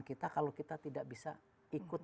kita kalau kita tidak bisa ikut